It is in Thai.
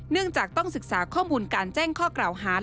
เนื่องจากต้องศึกษาข้อมูลการแจ้งข้อกล่าวหา